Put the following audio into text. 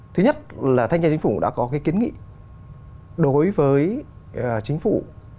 thứ nhất là thanh tra chính phủ đã có cái kiến nghị đối với chính phủ